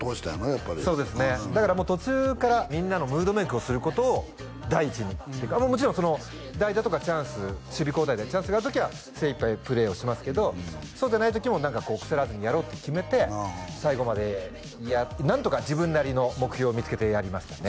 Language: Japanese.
やっぱりそうですねだからもう途中からみんなのムードメイクをすることを第一にもちろん代打とかチャンス守備交代でチャンスがある時は精いっぱいプレーをしますけどそうじゃない時も腐らずにやろうって決めて最後まで何とか自分なりの目標を見つけてやりましたね